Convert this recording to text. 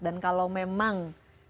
dan kalau memang